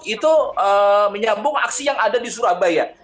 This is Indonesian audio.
itu menyambung aksi yang ada di surabaya